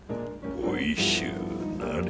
おいしゅうなれ。